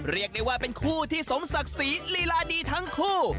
เรียกได้ว่าเป็นคู่ที่สมศักดิ์ศรีลีลาดีทั้งคู่